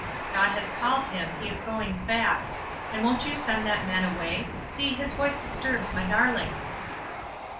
God has called him, he is going fast ; and won't you send that man away? See, his voice disturbs my darling."